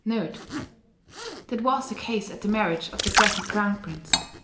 [That was the case at the marriage of the present Crown Prince.